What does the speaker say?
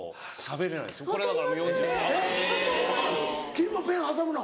君もペン挟むの？